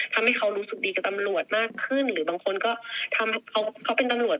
ทำให้เขารู้สึกดีกับตำรวจมากขึ้นหรือบางคนก็ทำเขาเป็นตำรวจ